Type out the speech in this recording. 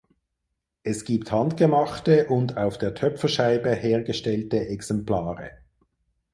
Es gibt handgemachte und auf der Töpferscheibe hergestellte Exemplare.